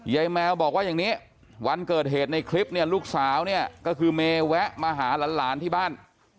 แมวบอกว่าอย่างนี้วันเกิดเหตุในคลิปเนี่ยลูกสาวเนี่ยก็คือเมแวะมาหาหลานที่บ้าน